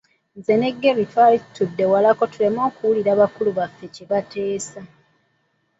Nze ne Gray twali tutudde walako tuleme okuwulira bakulu baffe kye bateesa.